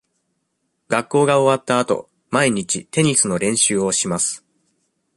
学校が終わったあと、毎日テニスの練習をします。